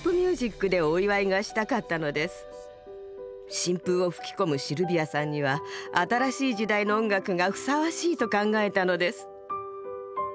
新風を吹き込むシルビアさんには新しい時代の音楽がふさわしいと考えたのです。